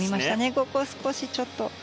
ここは少し、ちょっと。